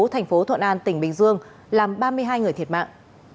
thành phố thuận an tỉnh bình dương làm ba mươi hai người thiệt mạng